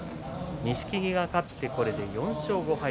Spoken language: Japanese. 錦木が勝ってこれで４勝５敗。